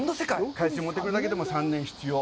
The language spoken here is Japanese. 海水持ってくるだけでも３年必要。